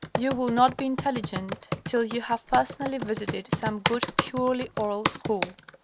You will not be intelligent till you have personally visited some good purely oral school.